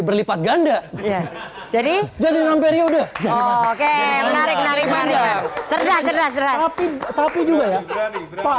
berlipat ganda jadi jadi nampaknya udah oke menarik menarik menarik cerdas cerdas tapi tapi juga ya pak